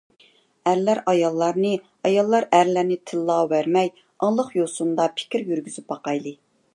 ئەرلەر ئاياللارنى، ئاياللار ئەرلەرنى تىللاۋەرمەي، ئاڭلىق يوسۇندا پىكىر يۈرگۈزۈپ باقايلى.